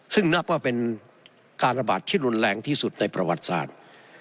ซึ่งนับว่าเป็นการระบาดที่รุนแรงที่สุดในประวัติศาสตร์